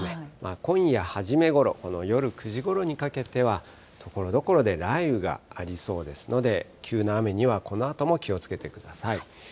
今夜初めごろ、この夜９時ごろにかけては、ところどころで雷雨がありそうですので、急な雨にはこのあとも気をつけてください。